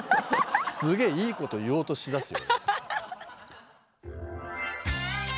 すげえいいこと言おうとしだすよ俺。